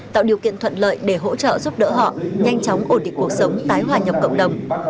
tạo điều kiện thuận lợi để hỗ trợ giúp đỡ họ nhanh chóng ổn định cuộc sống tái hòa nhập cộng đồng